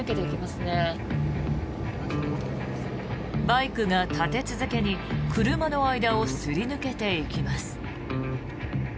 バイクが立て続けに車の間をすり抜けていきます。